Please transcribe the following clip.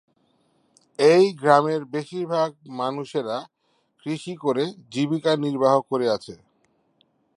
এই গ্রামের বেশিরভাগ মানুষেরা কৃষি করে জীবিকা নির্বাহ করে আছে।